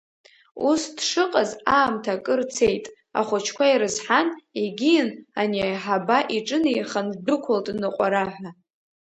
Ус дшыҟаз, аамҭа акыр цеит, ахәыҷқәа ирызҳан, егьиин, ани аиҳаба иҿынеихан ддәықәылт ныҟәара ҳәа.